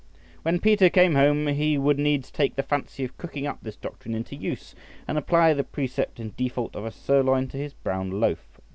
When Peter came home, he would needs take the fancy of cooking up this doctrine into use, and apply the precept in default of a sirloin to his brown loaf.